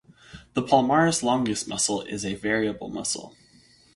The palmaris longus muscle is a variable muscle.